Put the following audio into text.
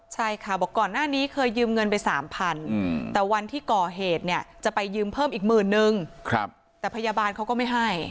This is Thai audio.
ใช่ค่ะบอกก่อนหน้านี้เคยยืมเงินไป๓๐๐แต่วันที่ก่อเหตุเนี่ยจะไปยืมเพิ่มอีกหมื่นนึงแต่พยาบาลเขาก็ไม่ให้